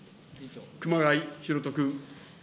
熊谷裕人君。